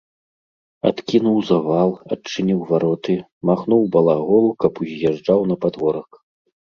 Адкінуў завал, адчыніў вароты, махнуў балаголу, каб уз'язджаў на падворак.